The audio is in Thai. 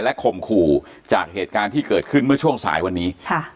ข่มขู่จากเหตุการณ์ที่เกิดขึ้นเมื่อช่วงสายวันนี้ค่ะ